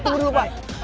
tunggu dulu pak